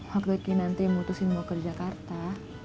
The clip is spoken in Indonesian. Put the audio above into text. waktu kinanti mutusin mau ke jakarta